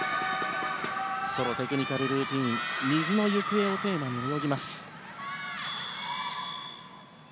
そのテクニカルルーティン水のゆくえをテーマに泳ぎます。